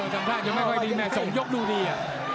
ทำท่าจะไม่ค่อยดีแม่๒ยกดูดี